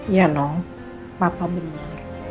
iya nong papa benar